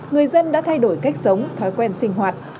người dân đã thay đổi cách sống thói quen sinh hoạt